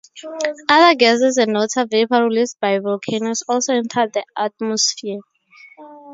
Other gases and water vapor released by volcanoes also entered the atmosphere.